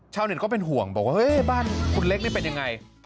ก็เป็นห่วงบอกว่าเฮ้ยบ้านคุณเล็กนี่เป็นยังไง